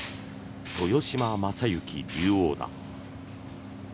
豊島将之竜王だ。